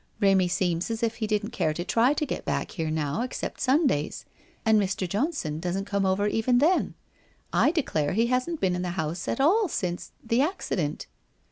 Remy seems as if he didn't care to try to get back here now, except Sundays. And Mr. Johnson doesn't come over even then. I declare he hasn't been in the house at all since — the accident